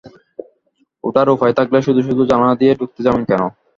উঠার উপায় থাকলেই শুধু শুধু জানালা দিয়ে ঢুকতে যাবেন কেন?